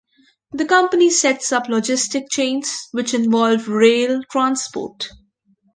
The company sets up logistic chains which involve rail transport.